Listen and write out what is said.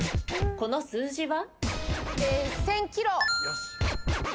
この数字は？